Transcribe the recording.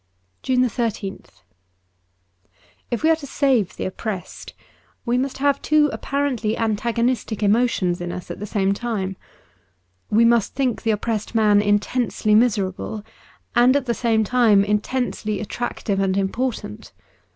'' i8l JUNE 13th IF we are to save the oppressed, we must have two apparently antagonistic emotions in us at the same time. We must think the oppressed man intensely miserable, and at the same time intensely attractive and important.